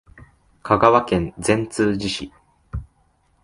香川県善通寺市